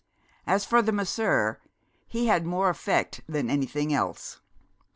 As for the masseur, he had more effect than anything else.